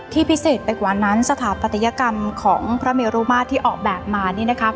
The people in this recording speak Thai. พิเศษไปกว่านั้นสถาปัตยกรรมของพระเมรุมาตรที่ออกแบบมานี่นะคะ